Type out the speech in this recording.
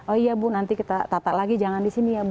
oh iya bu nanti kita tata lagi jangan di sini ya bu